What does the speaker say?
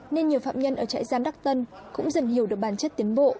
nên nhiều phạm nhân ở trại giam đắc tân cũng dần hiểu được bản chất tiến bộ